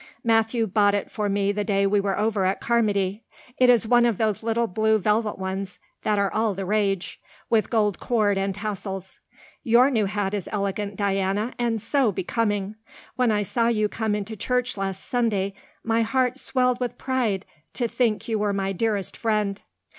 Matthew bought it for me the day we were over at Carmody. It is one of those little blue velvet ones that are all the rage, with gold cord and tassels. Your new hat is elegant, Diana, and so becoming. When I saw you come into church last Sunday my heart swelled with pride to think you were my dearest friend.